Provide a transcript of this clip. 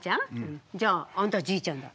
じゃああんたじいちゃんだ。